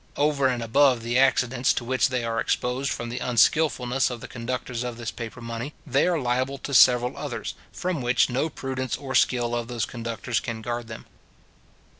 Over and above the accidents to which they are exposed from the unskilfulness of the conductors of this paper money, they are liable to several others, from which no prudence or skill of those conductors can guard them.